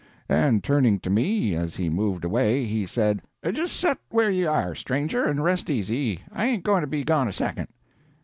] And turning to me as he moved away, he said: "Just set where you are, stranger, and rest easy I ain't going to be gone a second."